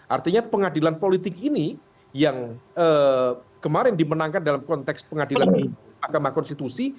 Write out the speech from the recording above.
artinya pengadilan politik ini yang kemarin dimenangkan dalam konteks pengadilan agama konstitusi